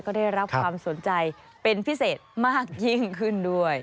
ก็ได้รับความสนใจเป็นพิเศษมากยิ่งขึ้นด้วย